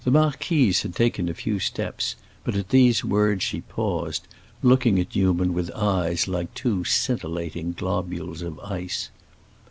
The marquise had taken a few steps, but at these words she paused, looking at Newman with eyes like two scintillating globules of ice.